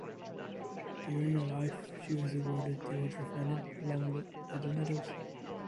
During her life she was awarded the Order of Lenin along with other medals.